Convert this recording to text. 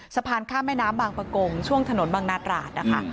สะพานข้ามแม่น้ำบางประกงช่วงถนนบางนาตราดนะคะ